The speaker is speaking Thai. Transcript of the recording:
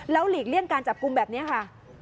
หลีกเลี่ยงการจับกลุ่มแบบนี้ค่ะ